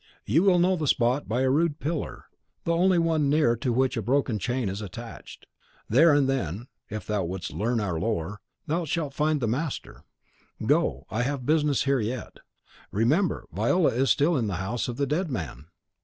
You will know the spot by a rude pillar the only one near to which a broken chain is attached. There and then, if thou wouldst learn our lore, thou shalt find the master. Go; I have business here yet. Remember, Viola is still in the house of the dead man!"